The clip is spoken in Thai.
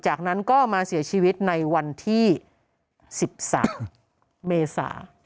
จากนั้นก็มาเสียชีวิตในวันที่๑๓เมษา